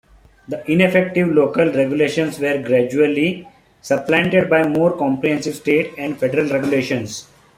The ineffective local regulations were gradually supplanted by more comprehensive state and federal regulations.